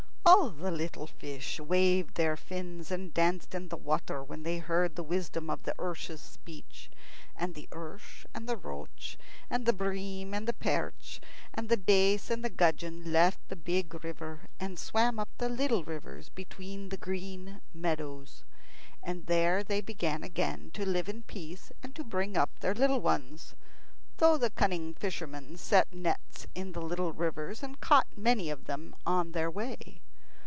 All the little fish waved their fins and danced in the water when they heard the wisdom of the ersh's speech. And the ersh and the roach, and the bream and the perch, and the dace and the gudgeon left the big river and swam up the little rivers between the green meadows. And there they began again to live in peace and bring up their little ones, though the cunning fishermen set nets in the little rivers and caught many of them on their way.